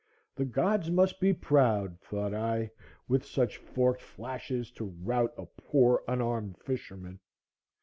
The gods must be proud, thought I, with such forked flashes to rout a poor unarmed fisherman.